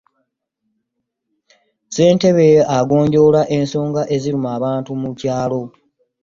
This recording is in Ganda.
Ssentebe agonjoola ensonga eziruma abantu mu kyalo.